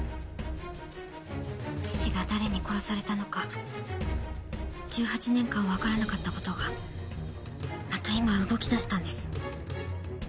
父が誰に殺されたのか１８年間わからなかった事がまた今動き出したんです。